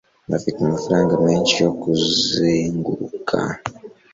bafite amafaranga menshi yo kuzenguruka